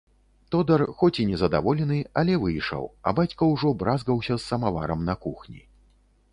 Тодар, хоць і незадаволены, але выйшаў, а бацька ўжо бразгаўся з самаварам на кухні.